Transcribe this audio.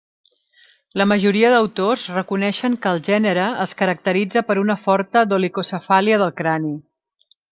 La majoria d'autors reconeixen que el gènere es caracteritza per una forta dolicocefàlia del crani.